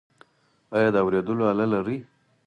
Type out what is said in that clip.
ایا د اوریدلو آله لرئ؟